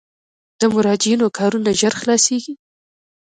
د مراجعینو کارونه ژر خلاصیږي؟